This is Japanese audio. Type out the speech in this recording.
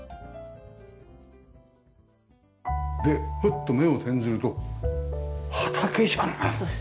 でフッと目を転ずると畑じゃない。